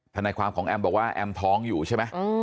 ทนายความของแอมบอกว่าแอมท้องอยู่ใช่ไหม